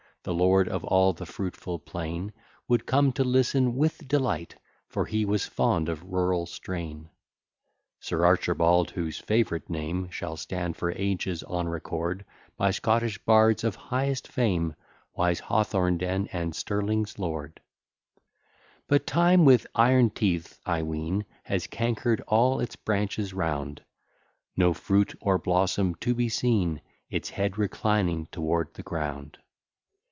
The lord of all the fruitful plain, Would come to listen with delight, For he was fond of rural strain. (Sir Archibald, whose favourite name Shall stand for ages on record, By Scottish bards of highest fame, Wise Hawthornden and Stirling's lord.) But time with iron teeth, I ween, Has canker'd all its branches round; No fruit or blossom to be seen, Its head reclining toward the ground.